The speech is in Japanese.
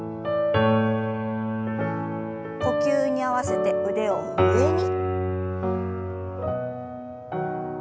呼吸に合わせて腕を上に。